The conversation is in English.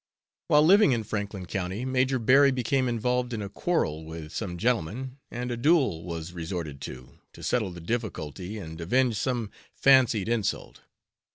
While living in Franklin county, Major Berry became involved in a quarrel with some gentleman, and a duel was resorted to, to settle the difficulty and avenge some fancied insult.